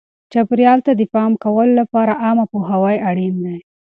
چاپیریال ته د پام کولو لپاره عامه پوهاوی اړین دی.